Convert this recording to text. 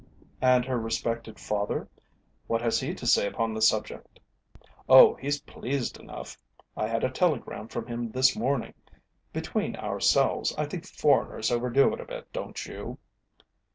"And her respected father? What has he to say upon the subject?" "Oh, he's pleased enough. I had a telegram from him this morning. Between ourselves, I think foreigners overdo it a bit, don't you?"